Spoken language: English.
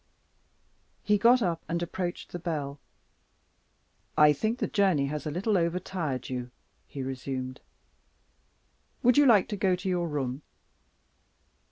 He got up and approached the bell. "I think the journey has a little over tired you," he resumed. "Would you like to go to your room?"